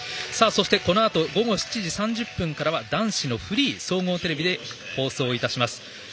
そして、このあと午後７時３０分からは男子のフリーを総合テレビで放送いたします。